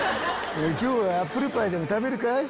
今日はアップルパイでも食べるかい？